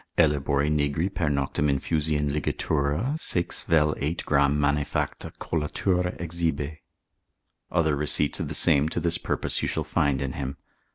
Ellebori nigri per noctem infusi in ligatura 6 vel 8 gr. mane facta collatura exhibe. Other receipts of the same to this purpose you shall find in him.